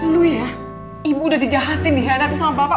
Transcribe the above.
lu ya ibu udah dijahatin dihadap sama bapak